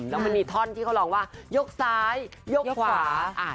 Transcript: แล้วมันมีอีกท่อนที่โดยเขลองยกซ้ายยกฝา